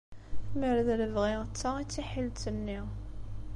Mer d lebɣi d ta i d tiḥilet-nni.